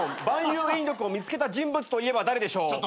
万有引力を見つけた人物といえば誰でしょう？